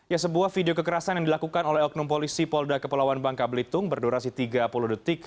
ya sebuah video kekerasan yang dilakukan oleh oknum polisi polda kepulauan bangka belitung berdurasi tiga puluh detik